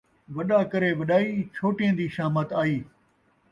وݙا کرے وݙائی ، چھوٹیں دی شامت آئی